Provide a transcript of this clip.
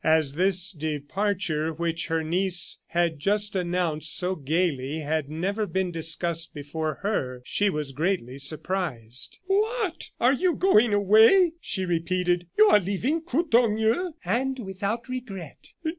As this departure, which her niece had just announced so gayly, had never been discussed before her, she was greatly surprised. "What! you are going away," she repeated; "you are leaving Courtornieu?" "And without regret."